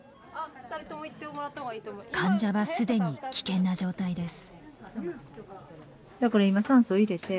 患者は既に危険な状態です。